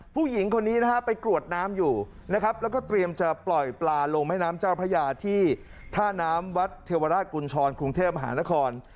ผู้หญิงคนนี้นะฮะไปกรวดน้ำอยู่นะครับแล้วก็เตรียมจะปล่อยปลาลงแม่น้ำเจ้าพระยาที่ท่าน้ำวัดเทวราชกุญชรกรุงเทพหานคร